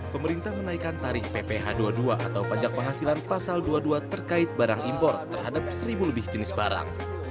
pemerintah menaikkan tarif pph dua puluh dua atau pajak penghasilan pasal dua puluh dua terkait barang impor terhadap seribu lebih jenis barang